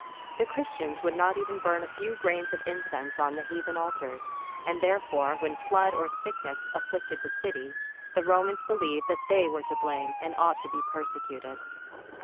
The Chris tians would not even burn a few grains of incense on the heathen altars ; and therefore when flood or sickness afSicted the city, the Romans believed that they were to blame and ought to be persecuted.